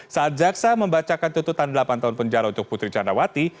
saat jaksa membacakan tuntutan delapan tahun penjara untuk putri candrawati